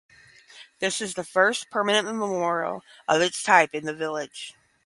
This is the first permanent memorial of its type in the village.